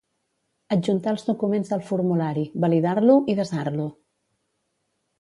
Adjuntar els documents al formulari, validar-lo i desar-lo.